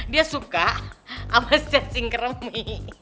dia suka sama cacing keremi